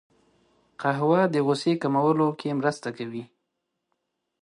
قهوه د غوسې کمولو کې مرسته کوي